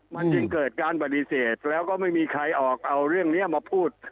มันจึงเกิดการปฏิเสธแล้วก็ไม่มีใครออกเอาเรื่องนี้มาพูด